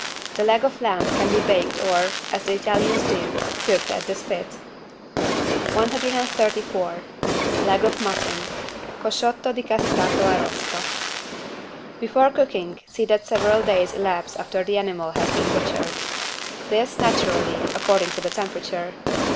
The leg of lamb can be baked or, as the Italians do, cooked at the spit. 134 LEG OF MUTTON (Cosciotto di castrato arrosto) Before cooking see that several days elapse after the animal has been butchered. This, naturally, according to the temperature.